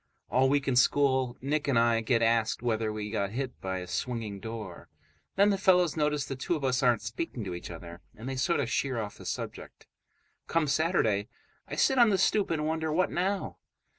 All week in school Nick and I get asked whether we got hit by a swinging door; then the fellows notice the two of us aren't speaking to each other, and they sort of sheer off the subject. Come Saturday, I sit on the stoop and wonder, what now?